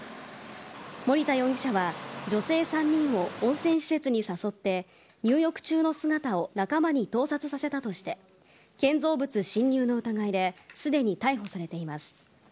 森田容疑者は女性３人を温泉施設に誘って入浴中の姿を仲間に盗撮させたとして建造物侵入の疑いですでに逮捕されています。